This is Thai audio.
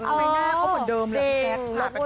ไม่ง่ายเขาเหมือนเดิมแหละพี่แจ๊ก